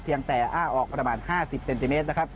เพียงแต่อ้าออกประมาณ๕๐เซนติเมตร